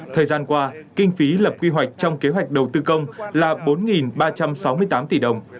thời gian qua kinh phí lập quy hoạch trong kế hoạch đầu tư công là bốn ba trăm sáu mươi tám tỷ đồng